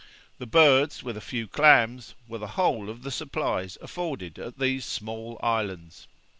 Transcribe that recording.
The birds, with a few clams, were the whole of the supplies afforded at these small islands.